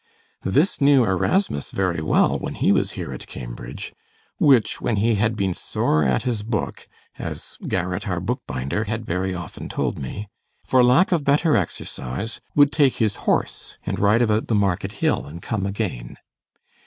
This knew Erasmus very well, when he was here in Cambridge; which, when he had been sore at his book (as Garret our book binder had very often told me), for lack of better exercise, would take his horse and ride about the market hill and come again.